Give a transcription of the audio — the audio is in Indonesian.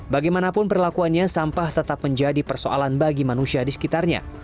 bagaimanapun perlakuannya sampah tetap menjadi persoalan bagi manusia di sekitarnya